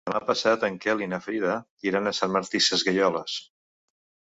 Demà passat en Quel i na Frida iran a Sant Martí Sesgueioles.